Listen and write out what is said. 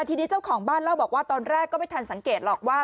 ทีนี้เจ้าของบ้านเล่าบอกว่าตอนแรกก็ไม่ทันสังเกตหรอกว่า